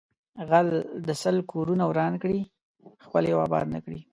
غل د سل کورونه وران کړي خپل یو آباد نکړي